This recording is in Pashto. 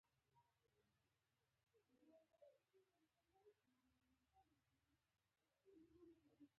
لږ ساعت وروسته روښنايي ورکه شوه او بیا تیاره شوه.